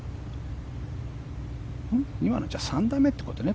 今の３打目ってことか。